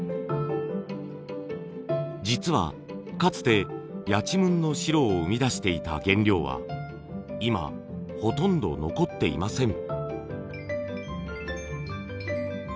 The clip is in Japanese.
実はかつてやちむんの白を生み出していた原料は今ほとんど残っていません。